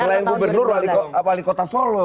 selain gubernur wali kota solo